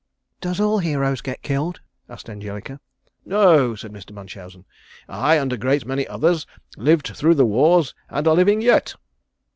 "Does all heroes get killed?" asked Angelica. "No," said Mr. Munchausen. "I and a great many others lived through the wars and are living yet."